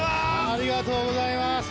ありがとうございます。